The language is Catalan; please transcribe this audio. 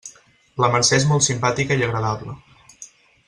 La Mercè és molt simpàtica i agradable.